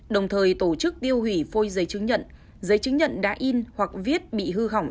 đồng thời tổ chức tiêu hủy phôi giấy chứng nhận giấy chứng nhận đã in hoặc viết bị hư hỏng